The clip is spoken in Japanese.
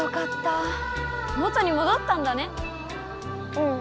うん。